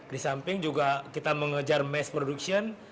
di samping juga kita mengejar mass production